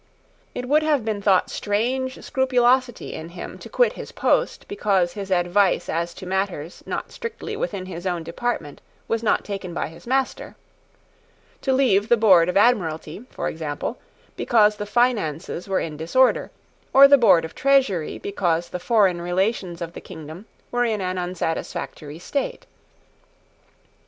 It would have been thought strange scrupulosity in him to quit his post, because his advice as to matters not strictly within his own department was not taken by his master; to leave the Board of Admiralty, for example, because the finances were in disorder, or the Board of Treasury because the foreign relations of the kingdom were in an unsatisfactory state.